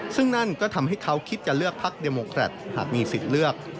ซึ่งนั่นก็ทำให้เขาคิดจะเลือกพักเดโมแครตหากมีสิทธิ์เลือก